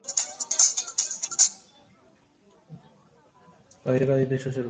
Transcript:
উমা বেনারসি শাড়ি পরিয়া ঘোমটায় ক্ষুদ্র মুখখানি আবৃত করিয়া কাঁদিতে কাঁদিতে শ্বশুরবাড়ি গেল।